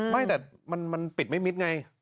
ไม่แต่มันปิดไม่มิดไง